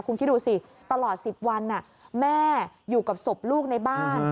คุณคิดดูสิตลอด๑๐วันแม่อยู่กับศพลูกในบ้าน